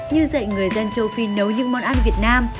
như dạy người dân châu phi nấu những món ăn việt nam